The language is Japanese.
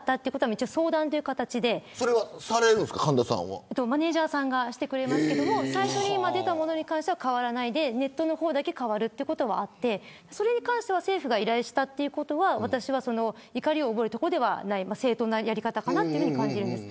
一応、相談という形でマネジャーさんがしてくれますけど最初に出たものは変わらずにネットだけ変わるということがあってそれに関しては政府が依頼をしたということは怒りを覚えることではなく正統なやり方だと思います。